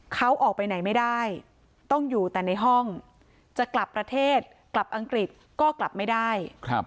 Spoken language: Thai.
เขาออกไปไหนไม่ได้ต้องอยู่แต่ในห้องจะกลับประเทศกลับอังกฤษก็กลับไม่ได้